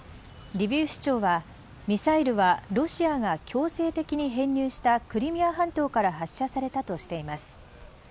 リビウ市長はミサイルはロシアが強制的に編入したクリミア半島から発射されたとしています。